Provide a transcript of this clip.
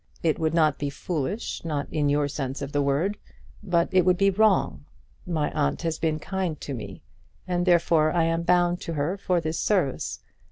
It would not be foolish, not in your sense of the word, but it would be wrong. My aunt has been kind to me, and therefore I am bound to her for this service.